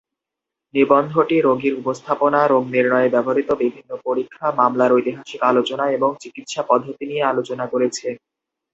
নিবন্ধটি রোগীর উপস্থাপনা, রোগ নির্ণয়ে ব্যবহৃত বিভিন্ন পরীক্ষা, মামলার ঐতিহাসিক আলোচনা এবং চিকিৎসা পদ্ধতি নিয়ে আলোচনা করেছে।